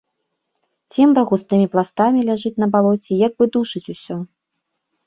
Цемра густымі пластамі ляжыць на балоце і як бы душыць усё.